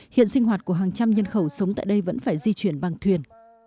hiện sinh hoạt của hàng trăm nhân khẩu sống tại đây vẫn phải di chuyển bằng thuyền